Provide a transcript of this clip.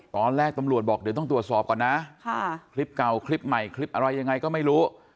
ตอนแรกตำรวจบอกเดี๋ยวต้องตรวจสอบก่อนนะคลิปเก่าคลิปใหม่คลิปอะไรยังไงก็ไม่รู้